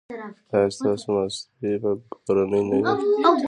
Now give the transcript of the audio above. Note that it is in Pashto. ایا ستاسو ماستې به کورنۍ نه وي؟